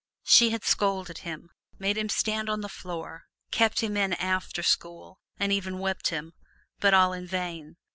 She had scolded him, made him stand on the floor, kept him in after school, and even whipped him but all in vain.